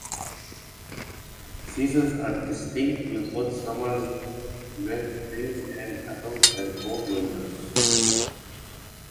Seasons are distinct, with hot summers, mild springs and autumns, and cold winters.